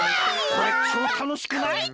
これちょうたのしい！